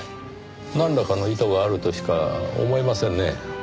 なんらかの意図があるとしか思えませんね。